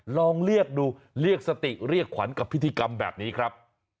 ลองเรียกดูเรียกสติเรียกขวัญกับพิธีกรรมแบบนี้ครับ